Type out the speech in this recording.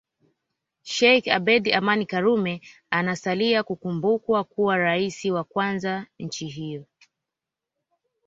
Sheikh Abeid Amani Karume anasalia kukumbukwa kuwa rais wa kwanza wa nchi hiyo